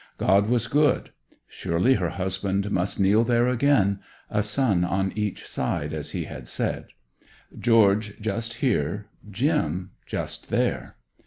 God was good. Surely her husband must kneel there again: a son on each side as he had said; George just here, Jim just there.